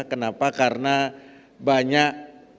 kenapa karena banyak